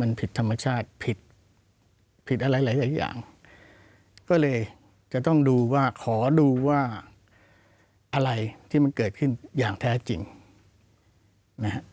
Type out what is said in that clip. มันผิดธรรมชาติผิดผิดอะไรหลายอย่างก็เลยจะต้องดูว่าขอดูว่าอะไรที่มันเกิดขึ้นอย่างแท้จริงนะฮะ